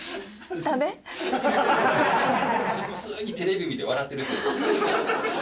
普通にテレビ見て笑ってる人。